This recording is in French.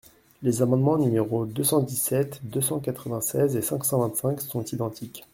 Les amendements numéros deux cent dix-sept, deux cent quatre-vingt-seize et cinq cent vingt-cinq sont identiques.